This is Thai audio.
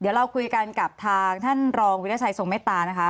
เดี๋ยวเราคุยกันกับทางท่านรองวิทยาชัยทรงเมตตานะคะ